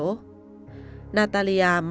natalia may mắn sống trong tình hình của bà